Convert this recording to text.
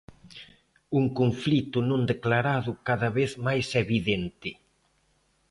Un conflito non declarado cada vez máis evidente.